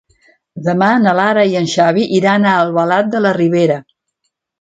Demà na Lara i en Xavi iran a Albalat de la Ribera.